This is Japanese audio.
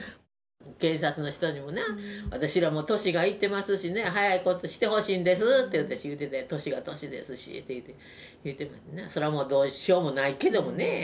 警察の人にもな、私らも年がいってますしね、早いことしてほしいんですって言うて、年が年ですしって言ってたん、それはどうしようもないけどね。